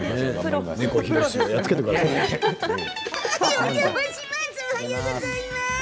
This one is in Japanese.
おはようございます。